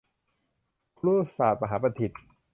ครุศาสตร์มหาบัณฑิต